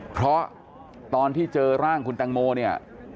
เพราะตอนที่เจอร่างคุณแตงโมเนี่ย